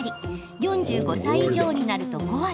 ４５歳以上になると５割。